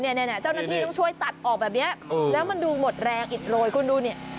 เจ้าหน้าที่ต้องช่วยตัดออกแบบนี้แล้วมันดูหมดแรงอิดโรยคุณดูเนี่ย